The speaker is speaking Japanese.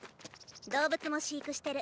動物も飼育してる。